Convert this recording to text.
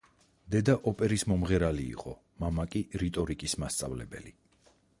დედა ოპერის მომღერალი იყო მამა კი რიტორიკის მასწავლებელი.